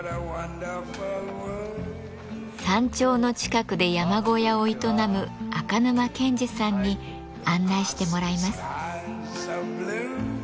山頂の近くで山小屋を営む赤沼健至さんに案内してもらいます。